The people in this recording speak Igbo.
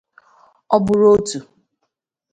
ọ bụrụ otu